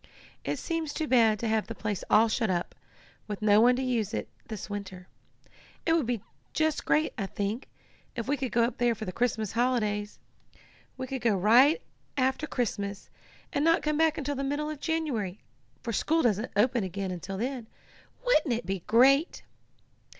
"It seems too bad to have the place all shut up, with no one to use it this winter. It would be just great, I think, if we could go up there for the Christmas holidays. We could go up right after Christmas, and not come back until the middle of January, for school doesn't open again until then. Wouldn't it be great!"